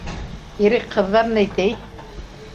- Ирек, ҡыҙҙар ни ти